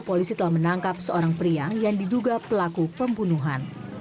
polisi telah menangkap seorang pria yang diduga pelaku pembunuhan